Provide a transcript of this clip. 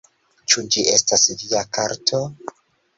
Ĉu ĝi estas via karto?